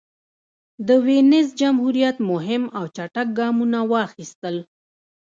د وینز جمهوریت مهم او چټک ګامونه واخیستل.